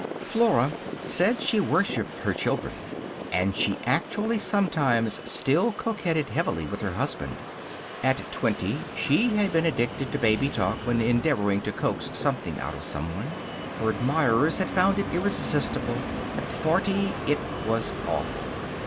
Flora said she worshiped her children. And she actually sometimes still coquetted heavily with her husband. At twenty she had been addicted to baby talk when endeavoring to coax something out of someone. Her admirers had found it irresistible. At forty it was awful.